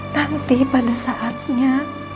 nanti pada saatnya